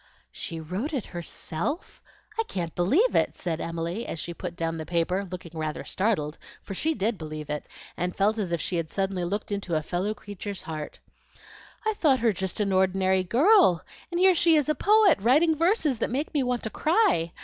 "She wrote it herself! I can't believe it!" said Emily, as she put down the paper, looking rather startled, for she DID believe it, and felt as if she had suddenly looked into a fellow creature's heart. "I thought her just an ordinary girl, and here she is a poet, writing verses that make me want to cry!